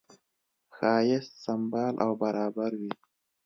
ښایست سمبال او برابر وي.